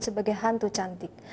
sebagai hantu cantik